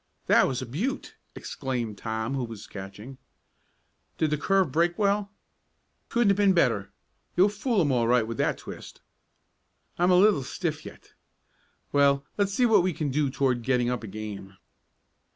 "That was a beaut!" exclaimed Tom, who was catching. "Did the curve break well?" "Couldn't have been better. You'll fool 'em all right with that twist." "I'm a little stiff yet. Well, let's see what we can do toward getting up a game."